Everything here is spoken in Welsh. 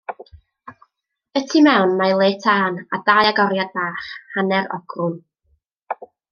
Y tu mewn mae le tân a dau agoriad bach, hanner ogrwn.